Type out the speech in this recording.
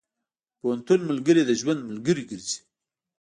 د پوهنتون ملګري د ژوند ملګري ګرځي.